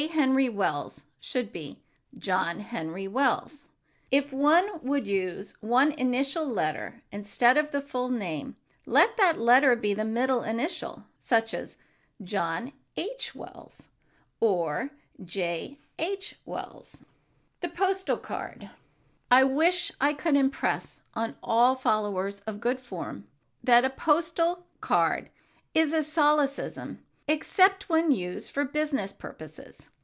Henry Wells" should be "John Henry Wells." If one would use one initial letter instead of the full name, let that letter be the middle initial, as "John H. Wells," or "J. H. Wells." [Sidenote: THE POSTAL CARD] I wish I could impress on all followers of good form that a postal card is a solecism except when used for business purposes.